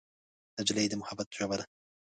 نجلۍ د محبت ژبه ده.